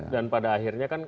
dan pada akhirnya kan